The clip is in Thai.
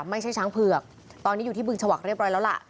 ไม่ใช่ช้างเผือกตอนนี้อยู่ที่บึงชวักเรียบร้อยแล้วล่ะ